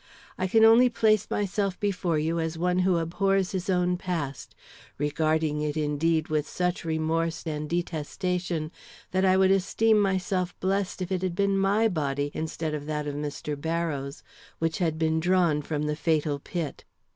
I can only place myself before you as one who abhors his own past; regarding it, indeed, with such remorse and detestation that I would esteem myself blessed if it had been my body, instead of that of Mr. Barrows, which had been drawn from the fatal pit.